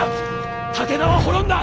武田は滅んだ。